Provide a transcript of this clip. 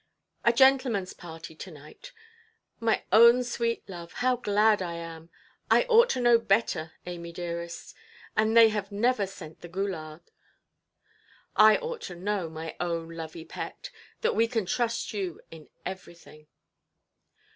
"A gentlemanʼs party to–night; my own sweet love, how glad I am! I ought to know better, Amy dearest; and they have never sent the goulard. I ought to know, my own lovey pet, that we can trust you in everything".